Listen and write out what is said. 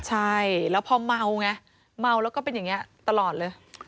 ใช่แล้วพอเมาไงเมาแล้วก็เป็นอย่างนี้ตลอดเลย